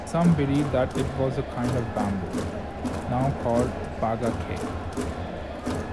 Some believed that it was a kind of bamboo, now called "bagacay".